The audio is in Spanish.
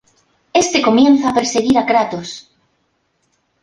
Éste comienza a perseguir a Kratos.